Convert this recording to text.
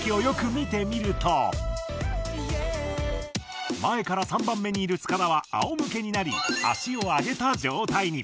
しかし前から３番目にいる塚田は仰向けになり足を上げた状態に。